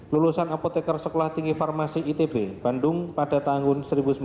lulusan apotekar sekolah tinggi farmasi itb bandung pada tahun seribu sembilan ratus sembilan puluh